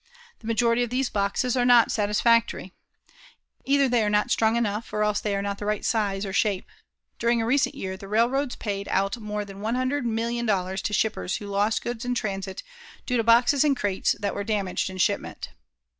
The majority of these boxes are not satisfactory. Either they are not strong enough or else they are not the right size or shape. During a recent year, the railroads paid out more than $100,000,000 to shippers who lost goods in transit due to boxes and crates that were damaged in shipment.